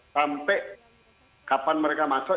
sampai kapan mereka masuk